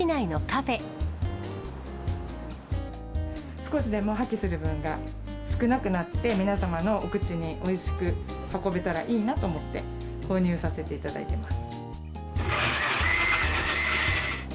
少しでも破棄する分が少なくなって、皆様のお口においしく運べたらいいなと思って購入させていただいてます。